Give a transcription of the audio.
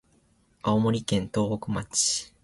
青森県東北町